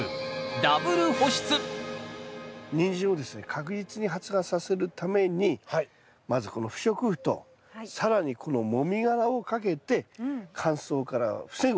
ダブル保湿ニンジンをですね確実に発芽させるためにまずこの不織布と更にこのもみ殻をかけて乾燥から防ぐということになります。